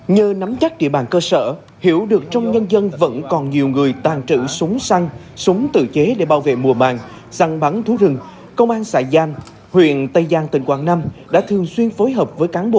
nhờ nắm chắc địa bàn cơ sở hiểu được trong nhân dân vẫn còn nhiều người tàn trữ súng săn súng tự chế để bảo vệ mùa màng săn bắn thú rừng công an xã giang huyện tây giang tỉnh quảng nam đã thường xuyên phối hợp với cán bộ